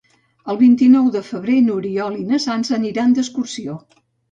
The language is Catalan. El vint-i-nou de febrer n'Oriol i na Sança aniran d'excursió.